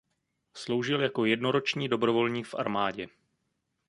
Sloužil jako jednoroční dobrovolník v armádě.